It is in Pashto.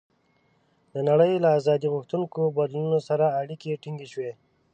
د نړۍ له آزادۍ غوښتونکو بدلونونو سره اړیکې ټینګې شوې.